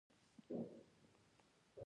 پلار یې شاعري کوله او لیکل یې کول